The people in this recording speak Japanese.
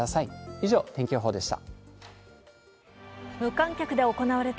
以上、天気予報でした。